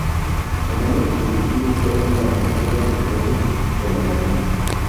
Su nombre primitivo fue el de la Avenida del Muelle de la Marina.